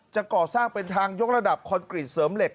ก่อสร้างเป็นทางยกระดับคอนกรีตเสริมเหล็ก